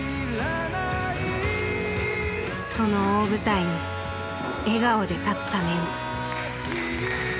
その大舞台に笑顔で立つために。